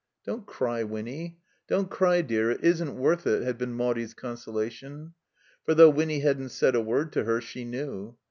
"Don't cry, Winny; don't cry, dear. It isn't worth it," had been Maudie's consolation. For, though Winny hadn't said a word to her, she knew.